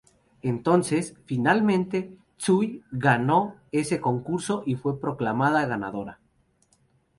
Entonces, finalmente, Tsui ganó ese concurso y fue proclamada ganadora.